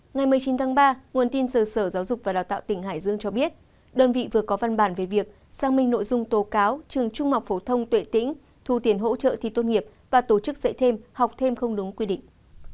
ngày một mươi chín tháng ba nguồn tin sở giáo dục và đào tạo tỉnh hải dương cho biết đơn vị vừa có văn bản về việc xác minh nội dung tố cáo trường trung học phổ thông tuệ tĩnh thu tiền hỗ trợ thi tốt nghiệp và tổ chức dạy thêm học thêm không đúng quy định